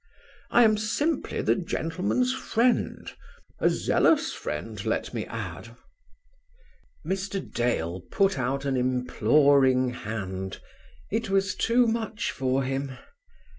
I am simply the gentleman's friend. A zealous friend, let me add." Mr. Dale put out an imploring hand; it was too much for him.